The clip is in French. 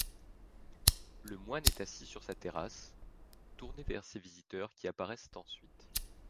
Le moine est assis sur sa terrasse, tourné vers ses visiteurs qui apparaissent ensuite.